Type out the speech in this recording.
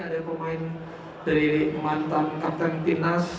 di sini ada pemain dari mantan kapten tim nas